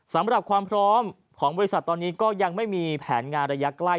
สำหรับความพร้อมของบริษัทตอนนี้ก็ยังไม่มีแผนงานระยะใกล้